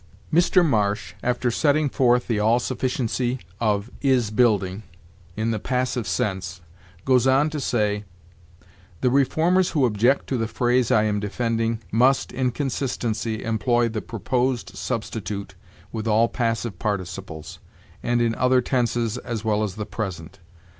"Mr. Marsh, after setting forth the all sufficiency of is building, in the passive sense, goes on to say: 'The reformers who object to the phrase I am defending must, in consistency, employ the proposed substitute with all passive participles, and in other tenses as well as the present.